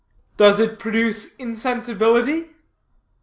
"Does it produce insensibility?"